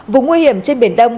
vùng nguy hiểm trên biển đông